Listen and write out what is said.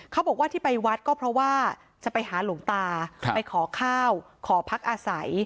เขาบอกว่าที่ไปวัดก็เพราะว่าจะไปหาหลวงตาไปขอข้าวขอพักอาศัย